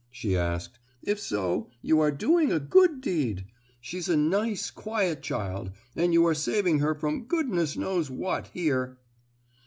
she asked; "if so, you are doing a good deed! She's a nice quiet child, and you are saving her from goodness knows what, here!"